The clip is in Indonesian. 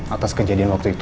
atas kejadian waktu itu